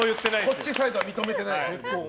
こっちサイドは認めてない。